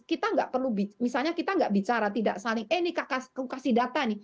kita tidak perlu misalnya kita tidak bicara tidak saling eh ini kak kasih data ini